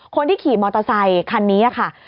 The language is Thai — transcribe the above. คนที่ขี่มอเตอร์ไซคันนี้ค่ะ